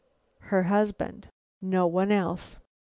Her husband. No one else.